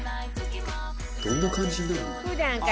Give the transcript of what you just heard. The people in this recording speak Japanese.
「どんな感じになるの？」